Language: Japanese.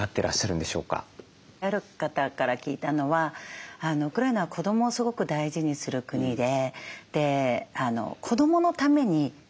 ある方から聞いたのはウクライナは子どもをすごく大事にする国でで子どものために戦ってるんだと。